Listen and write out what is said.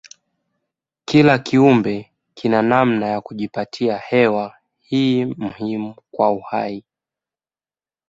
Kila kiumbe kina namna ya kujipatia hewa hii muhimu kwa uhai.